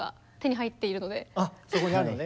そこにあるのね？